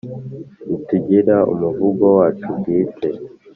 Ntitugira umuvugo wacu bwite